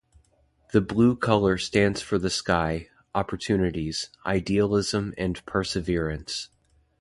The blue color stands for the sky, opportunities, idealism and perseverance.